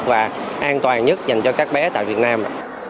và an toàn nhất dành cho các bé tại việt nam